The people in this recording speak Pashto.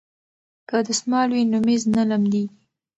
که دستمال وي نو میز نه لمدیږي.